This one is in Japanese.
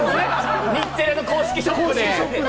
日テレの公式ショップで。